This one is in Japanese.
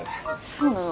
そうなの？